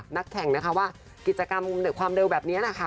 นักแข่งนะคะว่ากิจกรรมเด็กความเร็วแบบนี้นะคะ